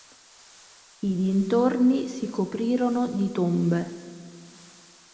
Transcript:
I dintorni si coprirono di tombe.